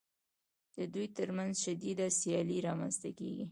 د دوی ترمنځ شدیده سیالي رامنځته کېږي